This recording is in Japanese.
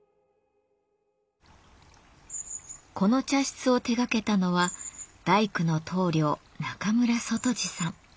この茶室を手がけたのは大工の棟梁・中村外二さん。